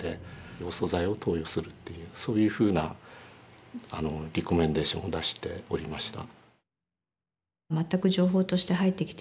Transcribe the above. ヨウ素剤を投与するというそういうふうなリコメンデーションを出しておりました。